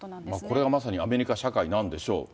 これがまさにアメリカ社会なんでしょう。